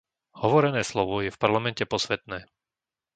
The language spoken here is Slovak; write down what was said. Hovorené slovo je v parlamente posvätné.